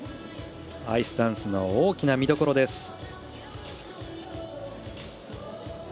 アイスダンスの大きな見どころです。